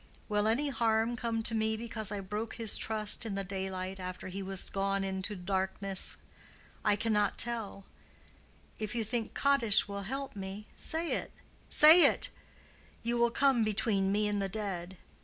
Will any harm come to me because I broke his trust in the daylight after he was gone into darkness? I cannot tell:—if you think Kaddish will help me—say it, say it. You will come between me and the dead.